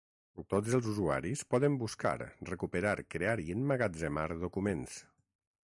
Tots els usuaris poden buscar, recuperar, crear i emmagatzemar documents.